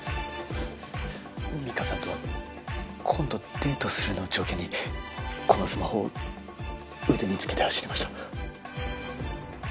美加さんと今度デートするのを条件にこのスマホを腕につけて走りました。